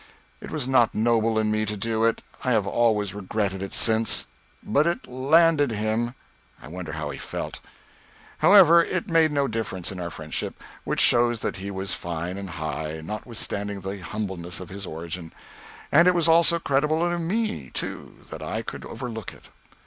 It was not noble in me to do it. I have always regretted it since. But it landed him. I wonder how he felt? However, it made no difference in our friendship, which shows that he was fine and high, notwithstanding the humbleness of his origin. And it was also creditable in me, too, that I could overlook it.